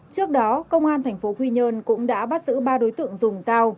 trước đó công an thành phố quy nhơn cũng đã bắt giữ ba đối tượng dùng dao